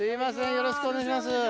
よろしくお願いします。